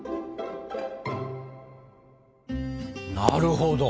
なるほど。